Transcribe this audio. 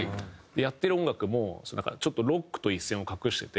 やってる音楽もちょっとロックと一線を画していて。